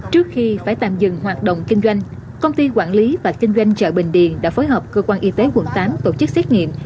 trước khi phải tạm dừng hoạt động kinh doanh công ty quản lý và kinh doanh chợ bình điền đã phối hợp cơ quan y tế quận tám tổ chức xét nghiệm